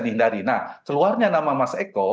dihindari nah keluarnya nama mas eko